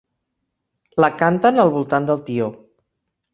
La canten al voltant del tió.